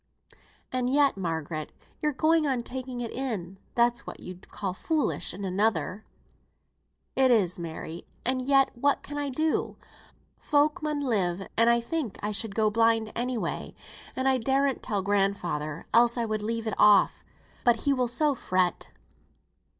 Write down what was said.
"And yet, Margaret, you're going on taking it in; that's what you'd call foolish in another." "It is, Mary! and yet what can I do? Folk mun live; and I think I should go blind any way, and I darn't tell grandfather, else I would leave it off, but he will so fret."